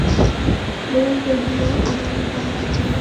গোরা কহিল, আমার যাবার প্রয়োজন দেখি নে।